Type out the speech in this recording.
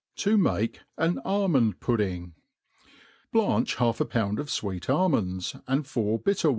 To mah an Almmd Fudding. BLANCH half a pound of Aveet almonds, and four bitter